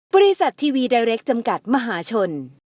บริษัททีวีไดเรคจำกัดมหาชน